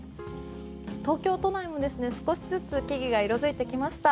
東京都内も少しずつ木々が色づいてきました。